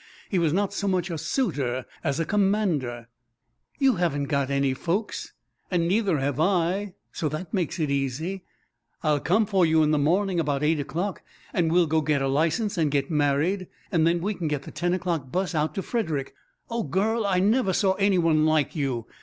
He was not so much a suitor as a commander. "You haven't got any folks and neither have I, so that makes it easy. I'll come for you in the morning, about eight o'clock, and we'll go get a license and get married, and then we can get the ten o'clock bus out to Frederick. Oh, girl, I never saw any one like you!